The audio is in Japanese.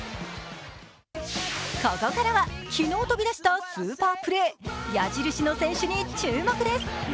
ここからは、昨日飛び出したスーパープレー矢印の選手に注目です。